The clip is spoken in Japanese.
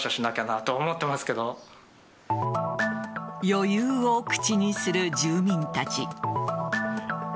余裕を口にする住民たち。